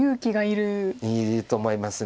いると思います。